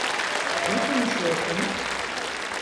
Ne konuşuyorsunuz?